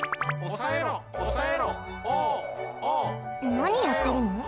なにやってるの？